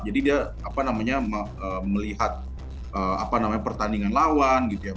jadi dia apa namanya melihat apa namanya pertandingan lawan gitu ya